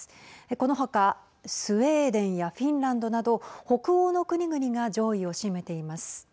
この他スウェーデンやフィンランドなど北欧の国々が上位を占めています。